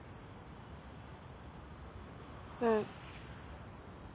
うん。